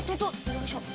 よいしょ。